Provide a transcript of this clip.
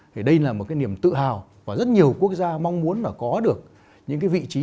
thì đây là một niềm tự hào và rất nhiều quốc gia mong muốn có được những vị trí